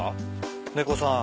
猫さん。